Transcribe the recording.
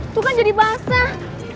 tuh kan jadi basah